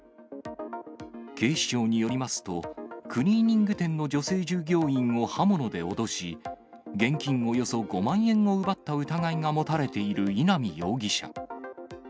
警視庁によりますと、クリーニング店の女性従業員を刃物で脅し、現金およそ５万円を奪った疑いが持たれている稲見容疑者。